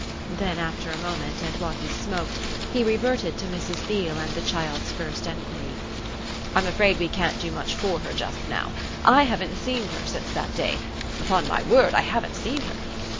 Then after a moment and while he smoked he reverted to Mrs. Beale and the child's first enquiry. "I'm afraid we can't do much for her just now. I haven't seen her since that day upon my word I haven't seen her."